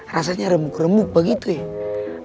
rasanya remuk remuk begitu ya